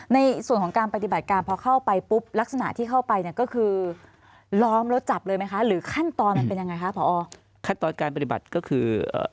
ในส่วนของการปฏิบัติการพอเข้าไปปุ๊บลักษณะที่เข้าไปก็คือ